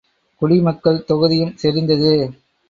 குடி மக்கள் தொகுதியும் செறிந்தது.